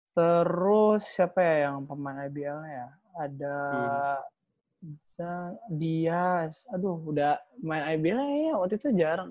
terus siapa ya yang pemain ibl nya ya ada bisa dias aduh udah main ibl nya ya waktu itu jarang